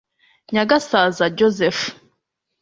nyagasaza joseph